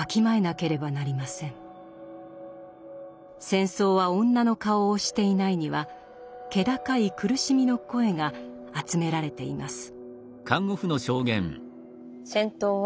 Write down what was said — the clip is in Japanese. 「戦争は女の顔をしていない」には気高い苦しみの声が集められています。